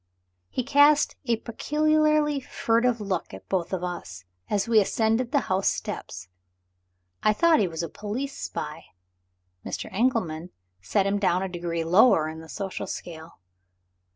He cast a peculiarly furtive look at us both, as we ascended the house steps. I thought he was a police spy. Mr. Engelman set him down a degree lower in the social scale.